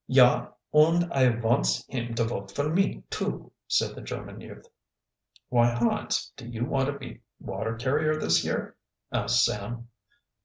"Yah, und I vonts him to vote for me, too," said the German youth. "Why, Hans, do you want to be water carrier this year?" asked Sam.